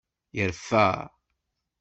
Yerfa.